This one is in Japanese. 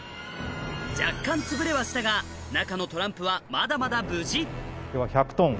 若干潰れはしたが中のトランプはまだまだ無事では。